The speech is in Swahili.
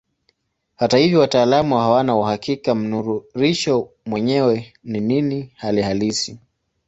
Hata hivyo wataalamu hawana uhakika mnururisho mwenyewe ni nini hali halisi.